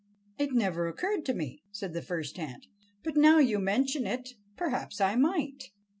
"It never occurred to me," said the first ant; "but now you mention it, perhaps I might."